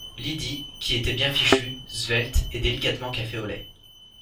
Lydie, qui était bien fichue, svelte et délicatement café au lait